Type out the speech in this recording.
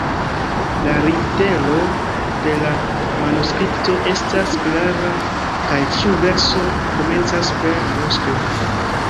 La litero de la manuskripto estas klara kaj ĉiu verso komencas per majuskla.